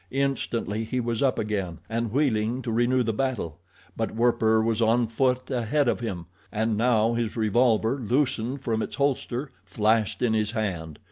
Instantly he was up again and wheeling to renew the battle; but Werper was on foot ahead of him, and now his revolver, loosened from its holster, flashed in his hand.